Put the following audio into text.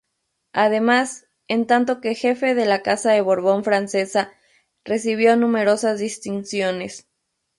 Además, en tanto que Jefe de la Casa de Borbón francesa, recibió numerosas distinciones.